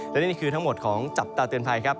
และนี่คือทั้งหมดของจับตาเตือนภัยครับ